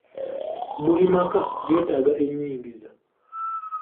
Buli maka geetaaga enyingiza.